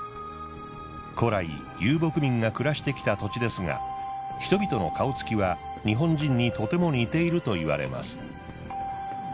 古来遊牧民が暮らしてきた土地ですが人々の顔つきは日本人にとても似ているといわれます。